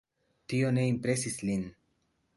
Tio ne impresis lin.